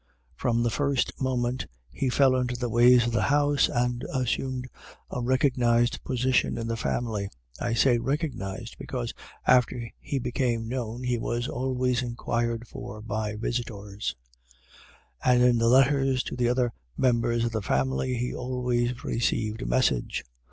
From the first moment, he fell into the ways of the house and assumed a recognized position in the family, I say recognized, because after he became known he was always inquired for by visitors, and in the letters to the other members of the family he always received a message.